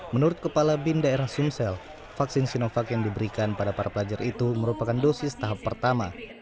menurut kepala bin daerah sumsel vaksin sinovac yang diberikan pada para pelajar itu merupakan dosis tahap pertama